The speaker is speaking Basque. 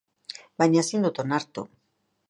Baina ezin dut onartu.